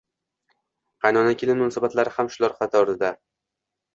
qaynona-kelin munosabatlari ham shular qatorida –